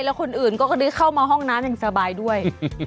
แล้วคนอื่นก็ได้เข้ามาห้องน้ำอย่างสบายด้วย